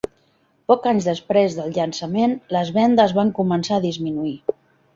Pocs anys després del llançament, les vendes van començar a disminuir.